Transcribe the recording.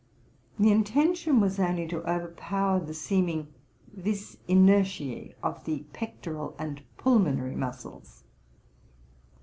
the intention was only to overpower the seeming vis inertioe of the pectoral and pulmonary muscles.